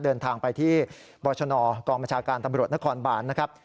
ดันทางที่บรรชนอกองประชาการตำรวจนครบานนะครับ